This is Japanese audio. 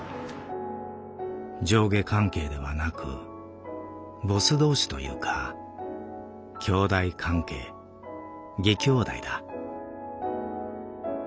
「上下関係ではなくボス同士というか兄弟関係義兄弟だ」。